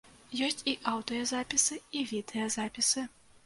Ёсць і аўдыёзапісы, і відэазапісы.